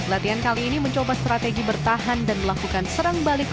latihan kali ini mencoba strategi bertahan dan melakukan serang balik